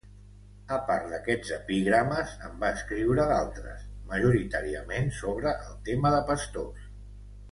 A part d'aquests epigrames en va escriure d'altres majoritàriament sobre el tema de pastors.